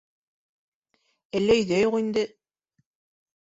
Әллә өйҙә юҡ инде?